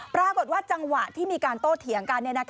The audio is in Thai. ปรากฏว่าจังหวะที่มีการโต้เถียงกัน